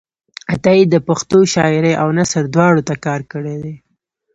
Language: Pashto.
عطایي د پښتو شاعرۍ او نثر دواړو ته کار کړی دی.